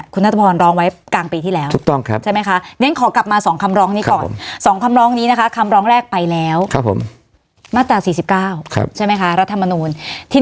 ค่ะสองคำเลี้ยงความฅองยัดอาคตแลกไปแล้วครับผมมาตรา๔๙จะนะคะรัฐมนูญที่